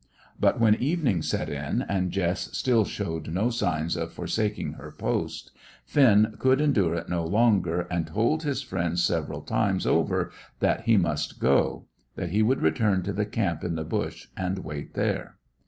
But when evening set in, and Jess still showed no sign of forsaking her post, Finn could endure it no longer, and told his friend several times over that he must go; that he would return to the camp in the bush and wait there.